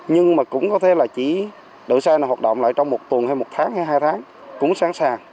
nhưng mà cũng có thể là chỉ đội xe nào hoạt động lại trong một tuần hay một tháng hay hai tháng cũng sẵn sàng